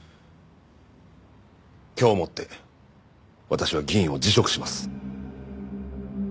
今日をもって私は議員を辞職します。